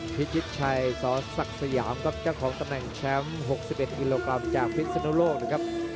พิจิตชัยสอสักสยามก็เจ้าของตำแหน่งแชมป์๖๑อิโลกรัมจากพิจิตชัย